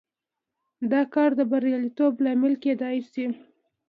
دا کار د بریالیتوب لامل کېدای شي.